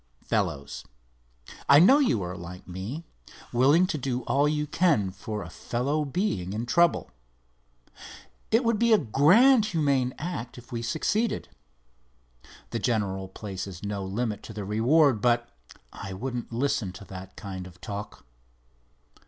Fellows, I know you are like me—willing to do all you can for a fellow being in trouble. It would be a grand, humane act if we succeeded. The general places no limit to the reward, but I wouldn't listen to that kind of talk."